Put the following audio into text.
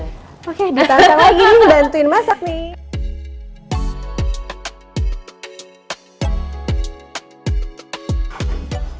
oke ditantang lagi nih ngebantuin masak nih